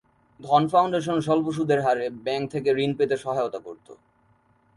ধন ফাউন্ডেশন স্বল্প সুদের হারে ব্যাঙ্ক থেকে ঋণ পেতে সহায়তা করত।